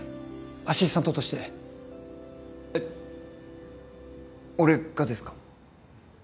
アシスタントとしてえっ俺がですか？